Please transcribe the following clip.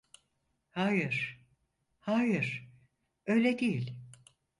Hayır, hayır, öyle değil.